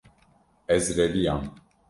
Ez reviyam.